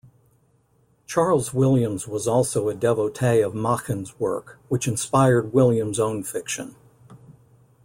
Charles Williams was also a devotee of Machen's work, which inspired Williams' own fiction.